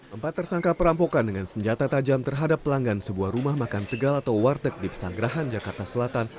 empat tersangka perampokan dengan senjata tajam terhadap pelanggan sebuah rumah makan tegal atau warteg di pesanggerahan jakarta selatan